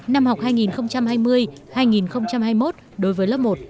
năm học hai nghìn hai mươi hai nghìn hai mươi một đối với lớp một